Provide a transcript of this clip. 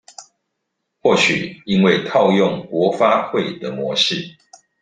或許因為套用國發會的模式